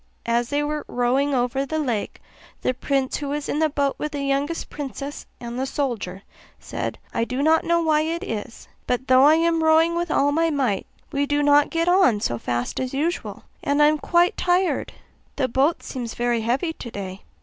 As they were rowing over the lake, the prince who was in the boat with the youngest princess and the soldier said, 'I do not know why it is, but though I am rowing with all my might we do not get on so fast as usual, and I am quite tired: the boat seems very heavy today.